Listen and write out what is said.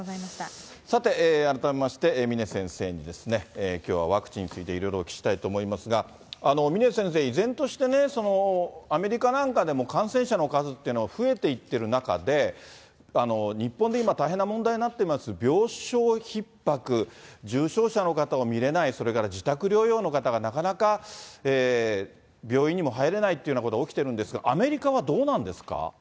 さて、改めまして峰先生に、きょうはワクチンについて、いろいろお聞きしたいと思いますが、峰先生、依然としてね、アメリカなんかでも感染者の数ってのが増えていってる中で、日本で今、大変な問題になっています病床ひっ迫、重症者の方を診れない、それから自宅療養の方がなかなか病院にも入れないっていうようなことが起きてるんですが、アメリカはどうなんですか？